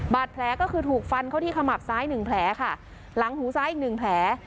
บาดแผลก็คือถูกฟันเข้าที่ขมับซ้ายหนึ่งแผลค่ะหลังหูซ้ายอีกหนึ่งแผล